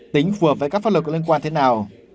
tính phù hợp với các pháp luật có liên quan thế nào